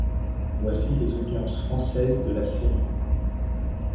Voici les audiences françaises de la série.